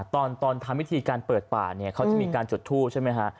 ตอนทำวิธีการเปิดป่าเนี่ยเขาจะมีการจุดทูปใช่ไหมฮะ